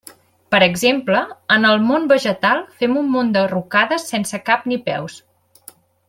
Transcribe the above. Per exemple, en el món vegetal fem un munt de rucades sense cap ni peus.